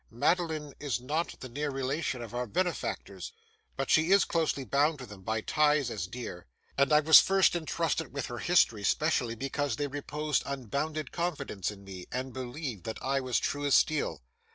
'Madeline is not the near relation of our benefactors, but she is closely bound to them by ties as dear; and I was first intrusted with her history, specially because they reposed unbounded confidence in me, and believed that I was as true as steel.